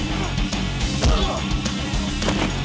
berani doi sepuluh kali kau ta américa